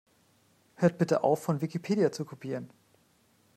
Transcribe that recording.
Hört bitte auf, von Wikipedia zu kopieren!